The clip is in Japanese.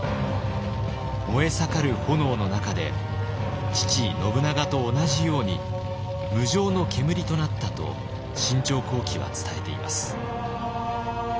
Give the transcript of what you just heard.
燃えさかる炎の中で父信長と同じように「無常の煙となった」と「信長公記」は伝えています。